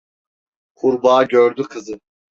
Kurbağa gördü kızı.